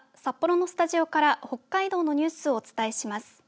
札幌のスタジオから北海道のニュースをお伝えします。